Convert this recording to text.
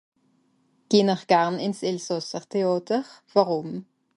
geh ihr gern in's elsasser Teater un wàrum